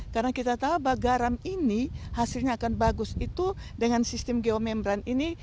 karena kita tahu bahwa garam ini hasilnya akan bagus itu dengan sistem geomembran ini